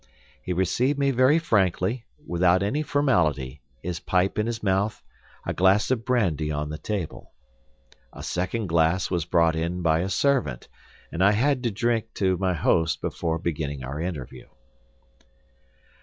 He received me very frankly, without any formality, his pipe in his mouth, a glass of brandy on the table. A second glass was brought in by a servant, and I had to drink to my host before beginning our interview.